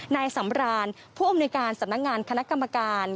นายสำรานผู้อำนวยการสำนักงานคณะกรรมการ